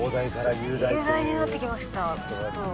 雄大になってきました。